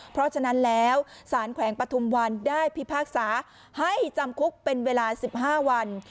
เพราะฉะนั้นแล้วสารแขวงปฐุมวันได้พิพากษาให้จำคุกเป็นเวลา๑๕วัน